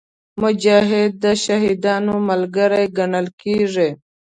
مجاهد د شهیدانو ملګری ګڼل کېږي.